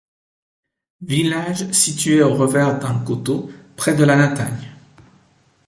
Village situé au revers d'un coteau, près de la Natagne.